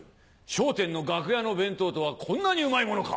『笑点』の楽屋の弁当とはこんなにうまいものか！